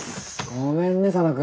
ごめんね佐野君。